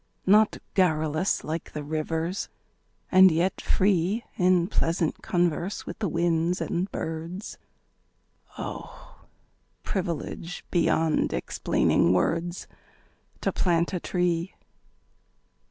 Not garrulous like the rivers; and yet free In pleasant converse with the winds and birds; Oh! privilege beyond explaining words, To plant a tree.